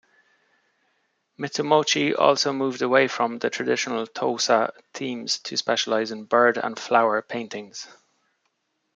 Mitsumochi also moved away from the traditional Tosa themes to specialize in bird-and-flower paintings.